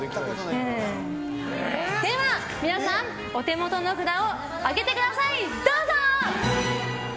では、皆さんお手元の札を上げてください！